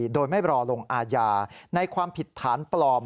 โดยไม่รอลงอาญาในความผิดฐานปลอม